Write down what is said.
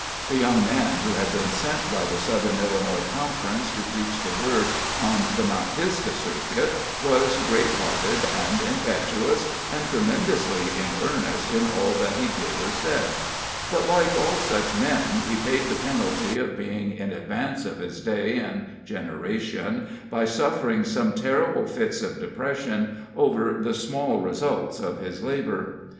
The young man who had been sent by the Southern Illinois Conference to preach the Word on the Mount Pisgah circuit was great hearted and impetuous, and tremendously in earnest in all that he did or said; but, like all such men, he paid the penalty of being in advance of his day and generation by suffering some terrible fits of depression over the small results of his labor.